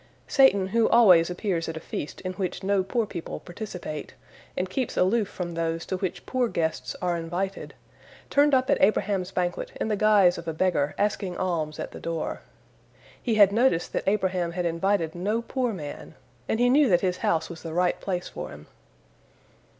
Satan, who always appears at a feast in which no poor people participate, and keeps aloof from those to which poor guests are invited, turned up at Abraham's banquet in the guise of a beggar asking alms at the door. He had noticed that Abraham had invited no poor man, and he knew that his house was the right place for him.